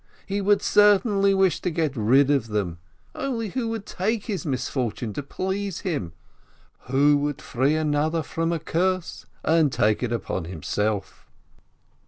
He would certainly wish to get rid of them, only who would take his misfortune to please him? Who would free another from a curse and take it upon himself